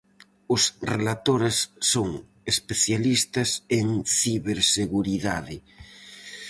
Os relatores son especialistas en ciberseguridade.